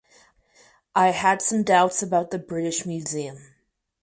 I had some doubts about the British Museum.